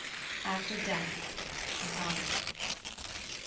AFTER DEATH. SONNET.